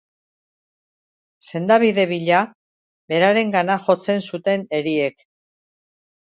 Sendabide bila, berarengana jotzen zuten eriek